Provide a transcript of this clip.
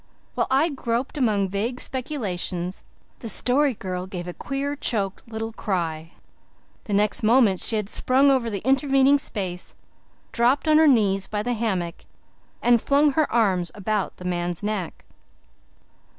While I groped among vague speculations the Story Girl gave a queer, choked little cry. The next moment she had sprung over the intervening space, dropped on her knees by the hammock, and flung her arms about the man's neck.